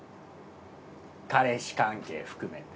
彼氏関係含めて。